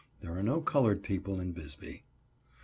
There are no colored people in Bisbee.